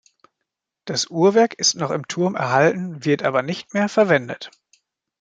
Das Uhrwerk ist noch im Turm erhalten, wird aber nicht mehr verwendet.